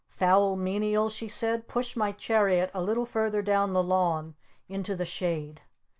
"Foul Menial," she said. "Push my chariot a little further down the Lawn into the shade!"